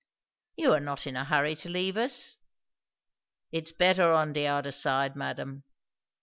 "You are not in a hurry to leave us?" "It's better on de oder side, madam."